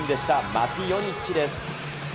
マテイ・ヨニッチです。